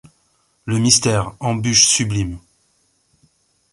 Le mystère, embûche sublime ;